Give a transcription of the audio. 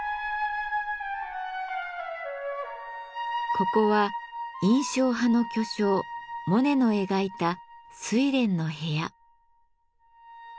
ここは印象派の巨匠・モネの描いた「睡蓮」の部屋。